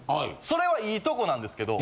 それはいいとこなんですけど。